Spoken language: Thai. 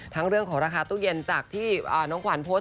เรื่องของราคาตู้เย็นจากที่น้องขวัญโพสต์